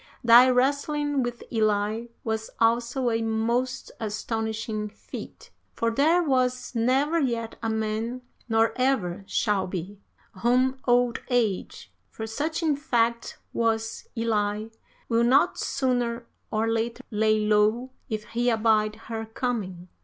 Thy wrestling with Elli was also a most astonishing feat, for there was never yet a man, nor ever shall be, whom Old Age, for such in fact was Elli, will not sooner or later lay low if he abide her coming.